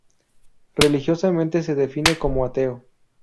Religiosamente se define como ateo.